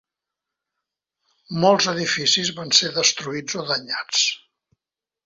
Molts edificis van ser destruïts o danyats.